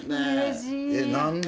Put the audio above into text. えっ何で？